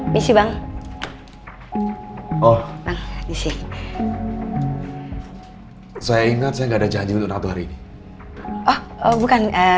menyesuaikan kar replik